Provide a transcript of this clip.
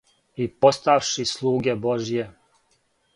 и поставши слуге Божје